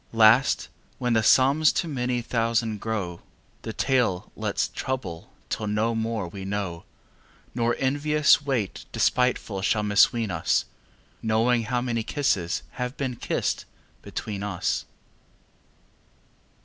Last when the sums to many thousands grow, 10 The tale let's trouble till no more we know, Nor envious wight despiteful shall misween us Knowing how many kisses have been kissed between us.